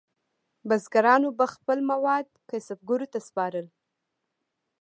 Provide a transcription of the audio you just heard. بزګرانو به خپل مواد کسبګرو ته سپارل.